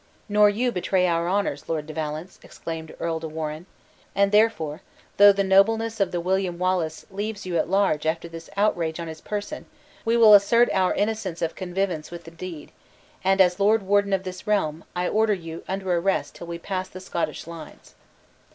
"Nor you betray our honors, Lord de Valence," exclaimed Earl de Warenne; "and therefore, though the nobleness of the William Wallace leaves you at large after this outrage on his person, we will assent our innocence of connivance with the deed; and, as lord warden of this realm, I order you under arrest till we pass the Scottish lines."